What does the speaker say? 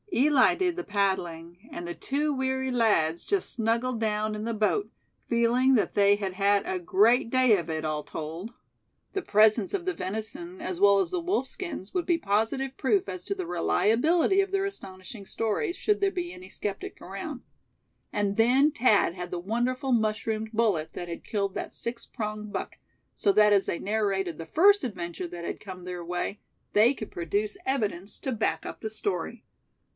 Eli did the paddling, and the two weary lads just snuggled down in the boat, feeling that they had had a great day of it, all told. The presence of the venison, as well as the wolf skins, would be positive proof as to the reliability of their astonishing story; should there be any skeptic around. And then Thad had the wonderful mushroomed bullet that had killed that six pronged buck; so that as they narrated the first adventure that had come their way, they could produce evidence to back up the story.